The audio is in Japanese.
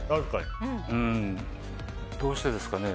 うーん、どうしてですかね。